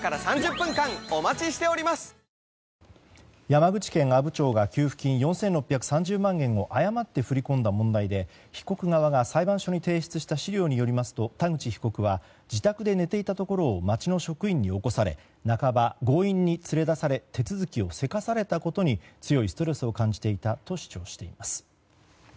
山口県阿武町が給付金４６３０万円を誤って振り込んだ問題で被告側が裁判所に提出した資料によりますと、田口被告は自宅で寝ていたところを町の職員に起こされ半ば強引に連れ出され手続きをせかされたことに強いストレスを感じていたと主張しています。